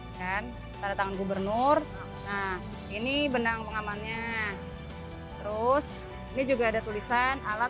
hai kan pada tangan gubernur nah ini benang pengamannya terus ini juga ada tulisan alat